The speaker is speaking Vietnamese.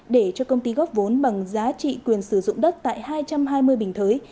để cho công ty góp vốn bằng giá trị quyền sử dụng đất tại hai trăm hai mươi bình thới